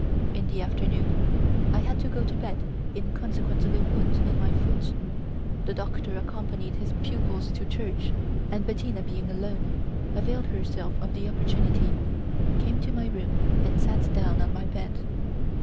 In the afternoon I had to go to bed in consequence of a wound in my foot; the doctor accompanied his pupils to church; and Bettina being alone, availed herself of the opportunity, came to my room and sat down on my bed.